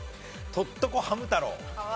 『とっとこハム太郎』。